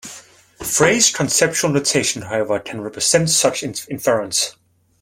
Frege's "conceptual notation" however can represent such inferences.